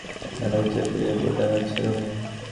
আমার বাচ্চা আপনাকে দেখে এতটাই উত্তেজিত যে, পুরো রাত সে ঘুমেনি।